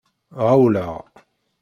Ɣawleɣ.